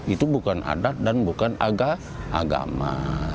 itu bukan adat dan bukan agama